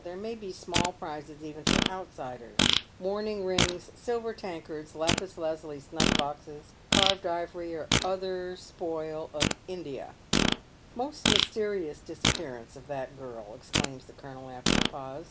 There may be small prizes even for outsiders. Mourning rings, silver tankards, lapis lazuli snufE boxes, carved ivory, or other spoil of Ind. "Most mysterious disappearance of that girl," exclaims the colonel, after a pause.